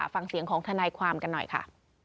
ฟังเสียงของทนายความกันหน่อยค่ะ